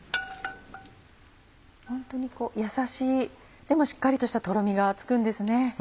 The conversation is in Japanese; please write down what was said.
ホントにこうやさしいでもしっかりとしたとろみがつくんですね。